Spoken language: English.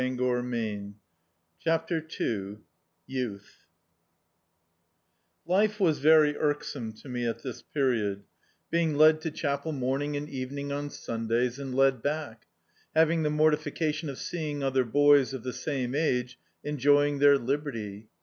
db, Google CHAPTER II LIFE was very irksome to mc at this period, be ing led to chapel morning and evening on Sundays, and led back; having the mortifica tion of seeing other boys of the same age enjoying their liberty.